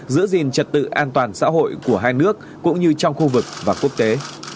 giữ gìn trật tự an toàn xã hội của hai nước cũng như trong khu vực và quốc tế